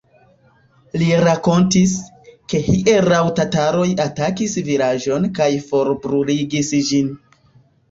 Li rakontis, ke hieraŭ tataroj atakis vilaĝon kaj forbruligis ĝin.